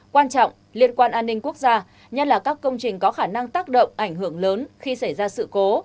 quan trọng liên quan an ninh quốc gia nhất là các công trình có khả năng tác động ảnh hưởng lớn khi xảy ra sự cố